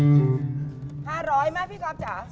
ลูกฟองหมดลูกฟองหมด